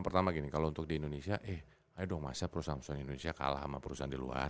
pertama gini kalau untuk di indonesia eh ayo dong masa perusahaan perusahaan indonesia kalah sama perusahaan di luar